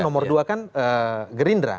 nomor dua kan gerindra